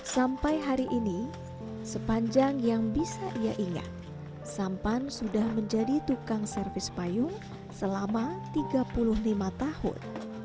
sampai hari ini sepanjang yang bisa ia ingat sampan sudah menjadi tukang servis payung selama tiga puluh lima tahun